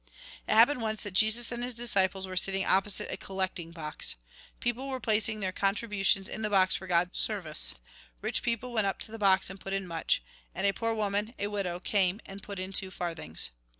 It happened once that Jesus and his disciples were sitting opposite a collecting box. People were placing their contributions in the box, for God's service. Eich people went up to the box, and put in much. And a poor woman, a widow, came and put in two farthings.